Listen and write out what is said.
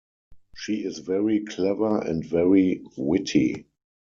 She is very clever and very witty.